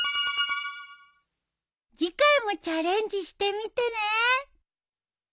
次回もチャレンジしてみてね。